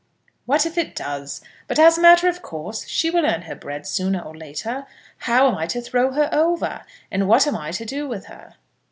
"What if it does? But, as a matter of course, she will earn her bread sooner or later. How am I to throw her over? And what am I to do with her?"